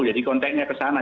jadi konteknya ke sana